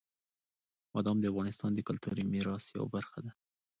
بادام د افغانستان د کلتوري میراث یوه برخه ده.